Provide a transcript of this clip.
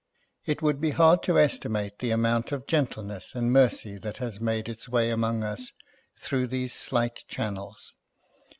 It would be hard to estimate the amount of gentleness and mercy that has made its way among us through these slight channels.